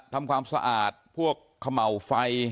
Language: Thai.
ทำความสะอาดพวกเขม่าวไฟ